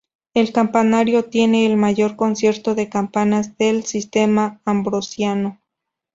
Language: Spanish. El campanario tiene el mayor concierto de campanas del "Sistema Ambrosiano".